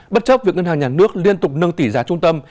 bất chấp việc ngân hàng nhà nước liên tục nâng tỷ giá trung tâm